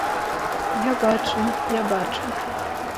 Я бачу, я бачу.